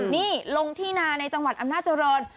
นี่ลงที่นาในจังหวัดอำนาจริง